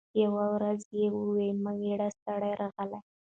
یوه ورځ یې وو مېړه ستړی راغلی